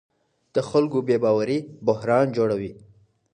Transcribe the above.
د خلکو بې باوري بحران جوړوي